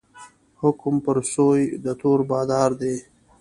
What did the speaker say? حکم پر سوی د تور بادار دی